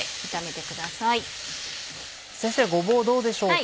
先生ごぼうどうでしょうか？